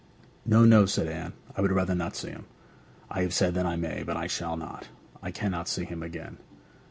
'No, no,' said Anne. 'I would rather not see him! I have said that I may. But I shall not. I cannot see him again!'